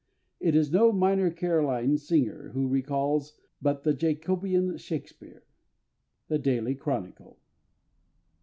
It is no minor Caroline singer he recalls, but the Jacobean SHAKESPEARE. _The Daily Chronicle.